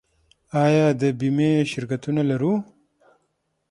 آیا د بیمې شرکتونه لرو؟